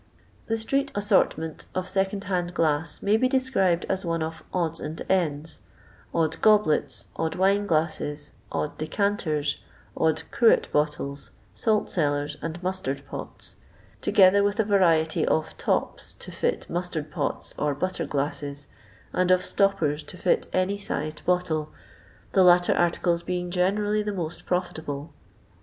The strect4usortment of second hand glass may be described as one of " odds and ends" — odd goblets, odd wine glasses, odd decanters, odd cruet bottles, salt cellars, and mustard pots ; together with a variety of " tops*' to fit mustard pots or butter gUsses, and of " stoppers" to fit any sized bottle, the latter articles being generally the most profitable.